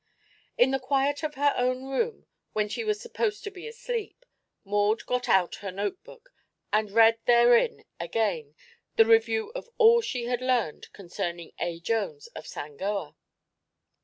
In the quiet of her own room, when she was supposed to be asleep, Maud got out her notebook and read therein again the review of all she had learned concerning A. Jones of Sangoa.